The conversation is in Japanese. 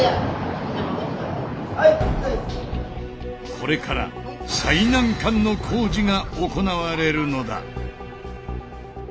これから最難関の工事が行われるのだ。